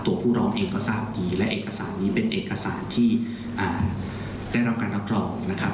ผู้ร้องเองก็ทราบดีและเอกสารนี้เป็นเอกสารที่ได้รับการรับรองนะครับ